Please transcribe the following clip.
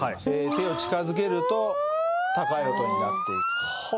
手を近づけると高い音になっていくという。